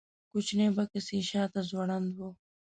کوچنی بکس یې شاته ځوړند و.